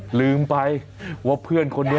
ลืมไปว่าเพื่อนคนนี้